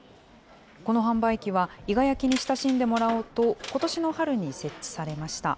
この販売機は、伊賀焼に親しんでもらおうと、ことしの春に設置されました。